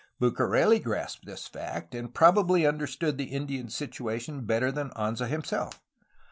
Bucareli grasped this fact, and probably understood the Indian situa tion better than Anza himself.